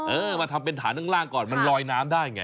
เออมาทำเป็นฐานข้างล่างก่อนมันลอยน้ำได้ไง